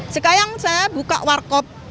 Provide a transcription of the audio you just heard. sekarang saya buka warkop